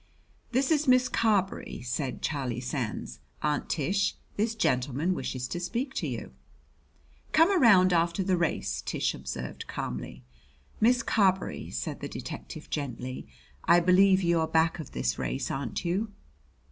"This is Miss Carberry," said Charlie Sands. "Aunt Tish, this gentleman wishes to speak to you." "Come around after the race," Tish observed calmly. "Miss Carberry," said the detective gently, "I believe you are back of this race, aren't you?"